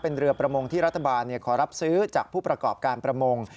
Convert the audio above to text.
เป็นเรือประมงที่รัฐบาลขอรับซื้อจากผู้ประกอบการประมง